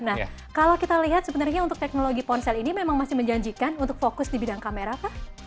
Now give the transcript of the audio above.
nah kalau kita lihat sebenarnya untuk teknologi ponsel ini memang masih menjanjikan untuk fokus di bidang kamera pak